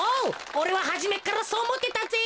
おれははじめっからそうおもってたぜ。